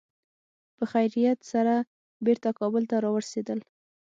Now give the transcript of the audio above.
په خیریت سره بېرته کابل ته را ورسېدل.